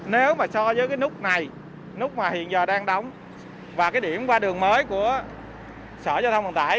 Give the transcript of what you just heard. nếu mà so với cái nút này lúc mà hiện giờ đang đóng và cái điểm qua đường mới của sở giao thông vận tải